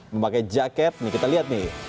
memakai jaket nih kita lihat nih